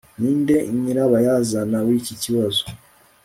ninde nyirabayazana w'iki kibazo